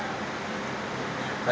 ini dia kaki kecil